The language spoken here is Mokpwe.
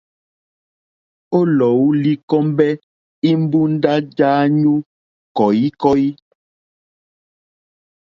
O lɔ̀u li kombɛ imbunda ja anyu kɔ̀ikɔ̀i.